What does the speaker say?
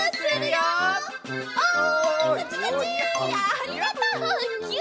ありがとうぎゅ。